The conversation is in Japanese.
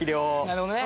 なるほどね。